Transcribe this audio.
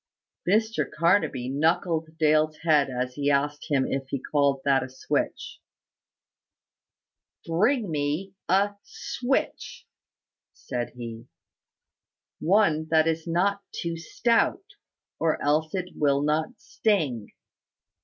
Mr Carnaby knuckled Dale's head as he asked him if he called that a switch. "Bring me a switch" said he. "One that is not too stout, or else it will not sting.